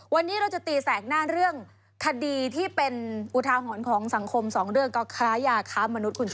วันนี้เราจะตีแสกหน้าเรื่องคดีที่เป็นอุทาหรณ์ของสังคมสองเรื่องก็ค้ายาค้ามนุษย์